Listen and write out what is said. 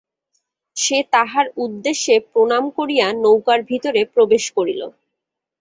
সে তাঁহার উদ্দেশে প্রণাম করিয়া নৌকার ভিতরে প্রবেশ করিল।